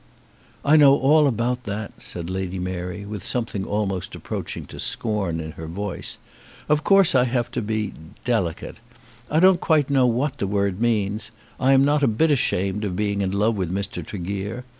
"I know all about that," said Lady Mary, with something almost approaching to scorn in her tone. "Of course I have to be delicate. I don't quite know what the word means. I am not a bit ashamed of being in love with Mr. Tregear.